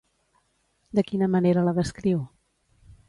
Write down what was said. De quina manera la descriu?